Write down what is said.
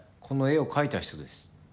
この絵を描いた人です。